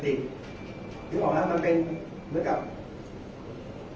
แต่ว่าไม่มีปรากฏว่าถ้าเกิดคนให้ยาที่๓๑